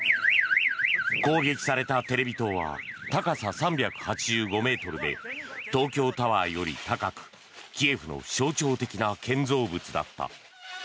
攻撃されたテレビ塔は高さ３８５ｍで東京タワーより高くキエフの象徴的な建造物だった。